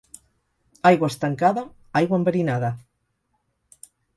Aigua estancada, aigua enverinada.